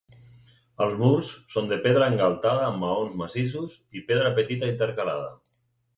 Els murs són de pedra engaltada amb maons massissos i pedra petita intercalada.